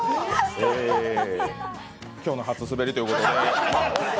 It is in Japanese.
今日の初スベりということで。